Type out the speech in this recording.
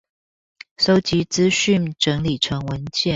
搜集資訊整理成文件